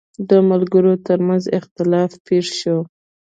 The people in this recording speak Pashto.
د ملګرو ترمنځ اختلاف پېښ شو.